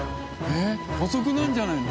細くなるんじゃないの？